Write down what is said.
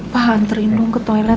pahan terlindung ke toilet